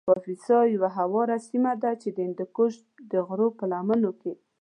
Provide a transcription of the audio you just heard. کاپیسا یو هواره سیمه ده چې د هندوکش د غرو په لمنو کې